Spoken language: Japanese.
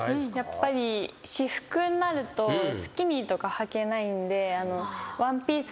やっぱり私服になるとスキニーとかはけないんで。